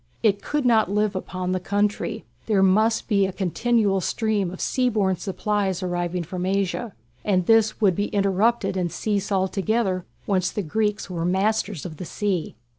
It could not live upon "the country"; there must be a continual stream of sea borne supplies arriving from Asia, and this would be interrupted and cease altogether once the Greeks were masters of the sea.